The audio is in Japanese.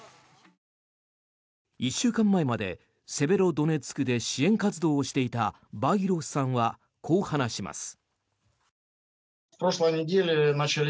１週間前までセベロドネツクで支援活動をしていたバギロフさんはこう話します。